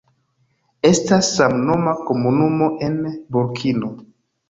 Estas samnoma komunumo en Burkino.